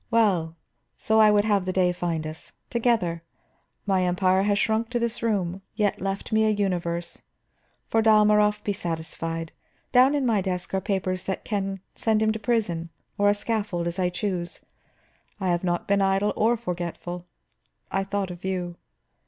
Well, so I would have the day find us: together. My Empire has shrunk to this room, yet left me a universe. For Dalmorov, be satisfied. Down in my desk are papers that can send him to a prison or a scaffold, as I choose. I have not been idle or forgetful; I thought of you."